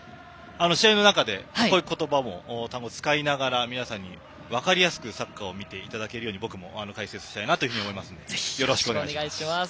試合の中でこういう言葉も多分使いながら皆さんに分かりやすくサッカーを見ていただけるように僕も解説したいなと思いますのでよろしくお願いします。